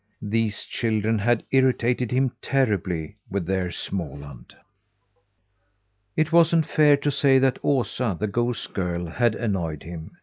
These children had irritated him terribly with their Småland. It wasn't fair to say that Osa, the goose girl, had annoyed him.